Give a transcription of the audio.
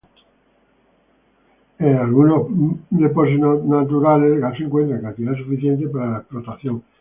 En algunos depósitos naturales el gas se encuentra en cantidad suficiente para la explotación.